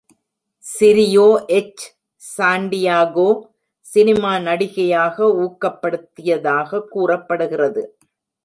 சிரியோ H. Santiago cinema நடிகையாக ஊக்கப்படுத்தியதாக கூறப்படுகிறது.